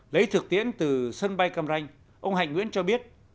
lấy thực tiễn từ sân bay cam ranh ông hạnh nguyễn cho biết